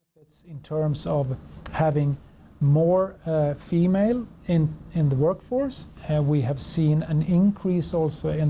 ก็วังตรงนี้ตอนนี้เกาะครอง